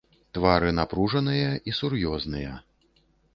Твары напружаныя і сур'ёзныя.